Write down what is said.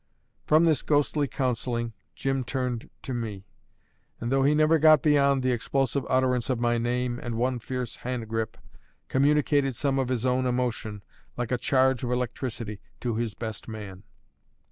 From this ghostly counselling, Jim turned to me; and though he never got beyond the explosive utterance of my name and one fierce handgrip, communicated some of his own emotion, like a charge of electricity, to his best man.